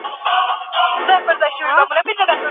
پاڼه د رابعې په پرتله ډېره ځواب ویونکې وه.